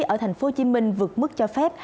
ở tp hcm vượt mức cho phép